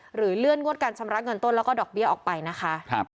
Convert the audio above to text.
เลื่อนงวดการชำระเงินต้นแล้วก็ดอกเบี้ยออกไปนะคะ